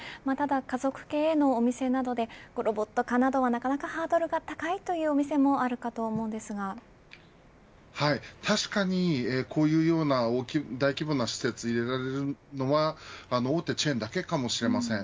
ただ、家族経営のお店などでロボット化などはなかなかハードルが高いというお店も確かに、こういうような大規模な施設に入れられるのは大手チェーンだけかもしれません。